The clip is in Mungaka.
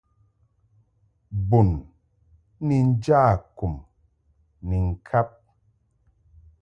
Bun ni nja kum ni ŋkab.